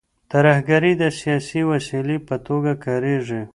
ترهګري د سیاسي وسیلې په توګه کارېږي.